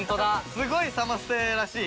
すごいサマステらしい。